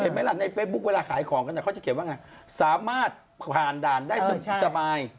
ไหมล่ะในเฟซบุ๊คเวลาขายของกันเขาจะเขียนว่าไงสามารถผ่านด่านได้สบาย